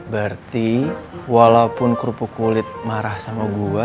berarti walaupun kerupuk kulit marah sama gue